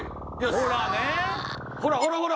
ほらほらほら！